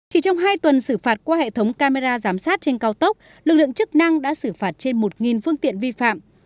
chỉ trong hai tuần xử phạt qua hệ thống camera giám sát trên cao tốc lực lượng chức năng đã xử phạt trên một phương tiện vi phạm